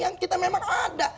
yang kita memang ada